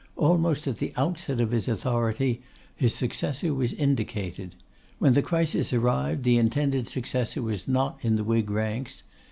Almost at the outset of his authority his successor was indicated. When the crisis arrived, the intended successor was not in the Whig ranks.